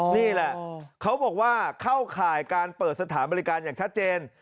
นี่แหละเขาบอกว่าเข้าข่ายการเปิดสถานบริการอย่างชัดเจน